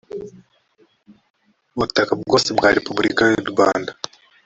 butaka bwose bwa repubulika y u rwanda